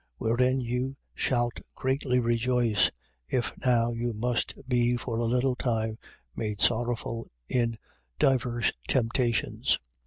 1:6. Wherein you shalt greatly rejoice, if now you must be for a little time made sorrowful in divers temptations: 1:7.